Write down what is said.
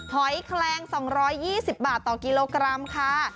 หอยแคลง๒๒๐บาทต่อกิโลกรัมค่ะ